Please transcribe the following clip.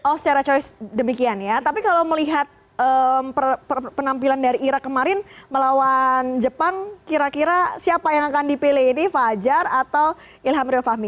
oh secara choir demikian ya tapi kalau melihat penampilan dari irak kemarin melawan jepang kira kira siapa yang akan dipilih ini fajar atau ilham rio fahmi